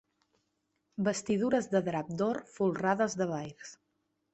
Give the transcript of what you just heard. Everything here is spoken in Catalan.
Vestidures de drap d'or folrades de vairs.